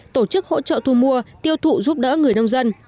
tổ chức hỗ trợ thu mua tiêu thụ giúp đỡ người nông dân